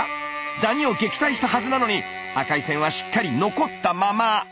ダニを撃退したはずなのに赤い線はしっかり残ったまま。